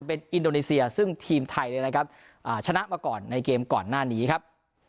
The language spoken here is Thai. เป็นอินโดนีเซียซึ่งทีมไทยเนี่ยนะครับชนะมาก่อนในเกมก่อนหน้านี้ครับ